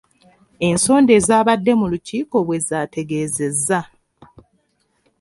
Ensonda ezaabadde mu lukiiko bwe zaategeezezza.